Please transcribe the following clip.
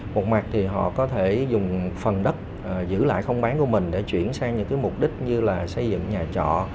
một mặt thì họ có thể dùng phần đất giữ lại không bán của mình để chuyển sang những mục đích như là xây dựng nhà trọ